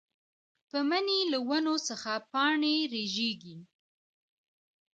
پۀ مني له ونو څخه پاڼې رژيږي